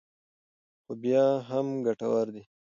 خو بیا هم ګټورې دي.